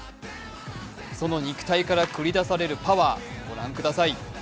その肉体から繰り出されるパワー、ご覧ください。